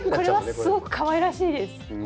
これはすごくかわいらしいです。